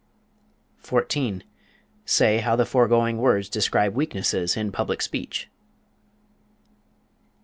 14. Say how the foregoing words describe weaknesses in public speech.